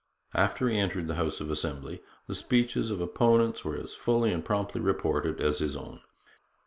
After he entered the House of Assembly, the speeches of opponents were as fully and promptly reported as his own.